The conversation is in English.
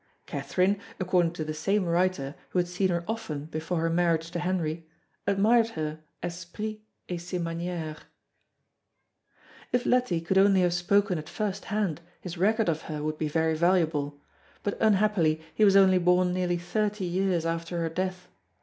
Catherine, according to the same writer who had seen her often before her marriage to Henry, admired her "esprit et ses manières." If Leti could only have spoken at first hand, his record of her would be very valuable. But unhappily he was only born nearly thirty years after her death.